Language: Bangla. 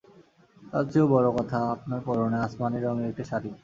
তার চেয়েও বড় কথা আপনার পরনে আসমানি রঙের একটি শাড়ি।